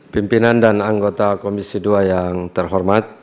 pimpinan dan anggota komisi dua yang terhormat